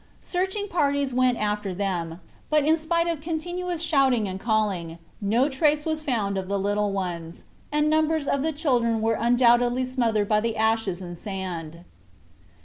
Searching parties went after them, but in spite of continuous shouting and calling no trace was found of the little ones, and numbers of the children were undoubtedly smothered by the ashes and sand.